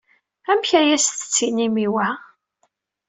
Amek ay as-tettinim i wa?